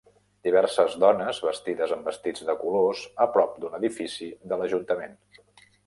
Diverses dones vestides amb vestits de colors a prop d'un edifici de l'Ajuntament.